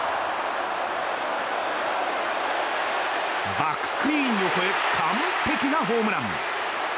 バックスクリーンを越え完璧なホームラン！